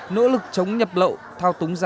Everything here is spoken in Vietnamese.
nỗ lực chống nhập lậu thao túng sản phẩm